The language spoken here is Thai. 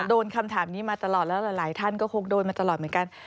โดนคำถามนี้มาตลอดแล้วหลายท่านก็คงโดนมาตลอดเหมือนกัน